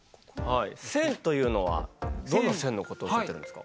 線というのはどの線のことを言ってるんですか？